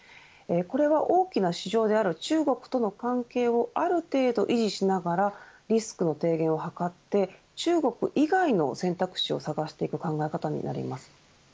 これは大きな市場である中国との関係をある程度維持しながらリスクの低減を図って中国以外の選択肢を探していく考え方になります。